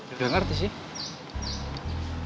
udah gak ngerti sih